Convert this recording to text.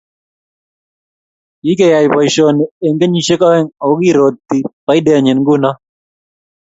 Kikeyayf boisioni eng kenyishe oeng ako kirotii faideenyii nguno.